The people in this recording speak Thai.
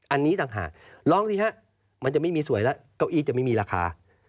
อันนี้ต่างหากลองสิฮะมันจะไม่มีสวยแล้วเก้าอี้จะไม่มีราคา